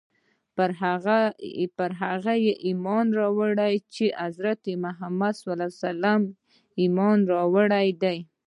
پر هغه څه ایمان راوړی چې محمد ص راوړي دي.